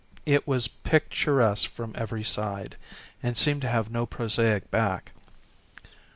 It was picturesque from every side, and seemed to have no prosaic back.